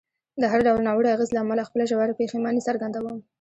د هر ډول ناوړه اغېز له امله خپله ژوره پښیماني څرګندوم.